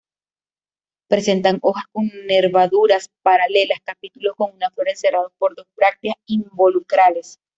Presenta hojas con nervaduras paralelas, capítulos con una flor encerrados por dos brácteas involucrales.